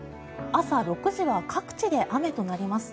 朝６時は各地で雨となります。